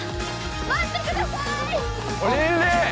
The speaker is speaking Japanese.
待ってくださーい凜々！